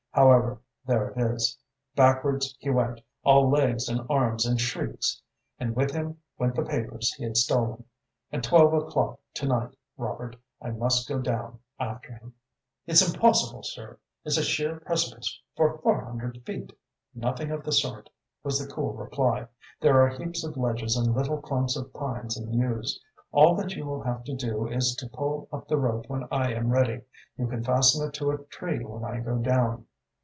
However, there it is. Backwards he went, all legs and arms and shrieks. And with him went the papers he had stolen. At twelve o'clock to night, Robert, I must go down after him." "It's impossible, sir! It's a sheer precipice for four hundred feet!" "Nothing of the sort," was the cool reply. "There are heaps of ledges and little clumps of pines and yews. All that you will have to do is to pull up the rope when I am ready. You can fasten it to a tree when I go down."